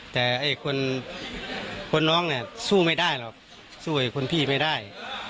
แต่คนน้องสู้ไม่ได้หรอกสู้คนพี่ไม่ได้